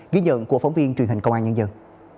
ghi nhận của phóng viên truyền hình công an nhân dân